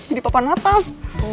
jadi papa natas